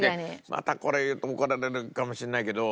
またこれ言うと怒られるかもしれないけど。